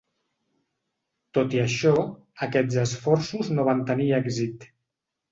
Tot i això, aquests esforços no van tenir èxit.